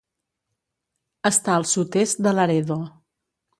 Està al sud-est de Laredo.